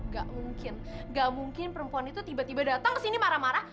gak mungkin gak mungkin perempuan itu tiba tiba datang ke sini marah marah